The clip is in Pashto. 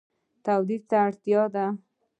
تولید ته اړتیا ده